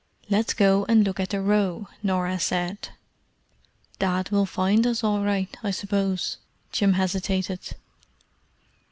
"Let's go and look at the Row," Norah said. "Dad will find us all right, I suppose?" Jim hesitated.